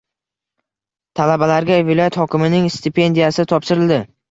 Talabalarga viloyat hokimining stipendiyasi topshirildi